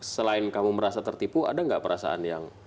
selain kamu merasa tertipu ada nggak perasaan yang